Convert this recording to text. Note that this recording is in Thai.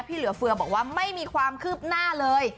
เหลือเฟือบอกว่าไม่มีความคืบหน้าเลย